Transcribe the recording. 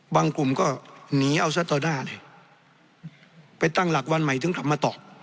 กลุ่มก็หนีเอาซะต่อหน้าเลยไปตั้งหลักวันใหม่ถึงกลับมาตอบ